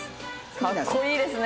かっこいいですね。